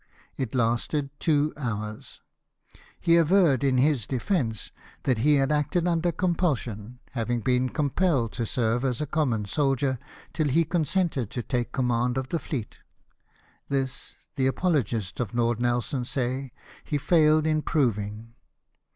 It lasted two hours. He averred in his defence that he had acted under compulsion, having been compelled to serve as a common soldier till he consented to take command of the fleet. This, the apologists of Lord Nelson say, he failed in proving.